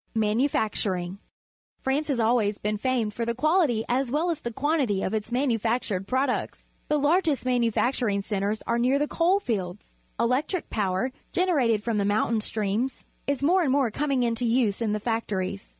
Manufacturing. — France has always been famed for the quality as well as the quantity I if its manufactured products. The largest manufacturing centres are near the coal lields. Electric power, generated from the mountain streams, is more and more coming into use in the factories.